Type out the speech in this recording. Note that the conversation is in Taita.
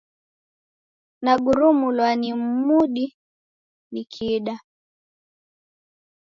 Nagurumulwa ni mudi nikiida.